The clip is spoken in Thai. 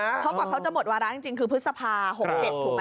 เพราะกว่าเขาจะหมดวาระจริงคือพฤษภา๖๗ถูกไหม